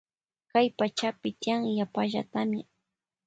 Kay pachapi tiyan yapalla tamia.